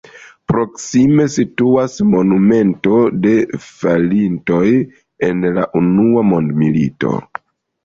Proksime situas monumento de falintoj en la unua mondmilito.